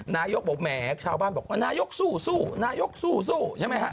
นายกบอกแหมชาวบ้านบอกนายกสู้นายกสู้ใช่ไหมฮะ